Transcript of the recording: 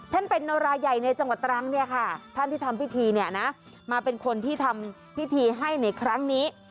เป็นโนราใหญ่ในจังหวัดตรังเนี่ยค่ะท่านที่ทำพิธีเนี่ยนะมาเป็นคนที่ทำพิธีให้ในครั้งนี้